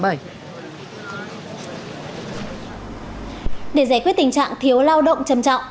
để giải quyết tình trạng thiếu lao động trầm trọng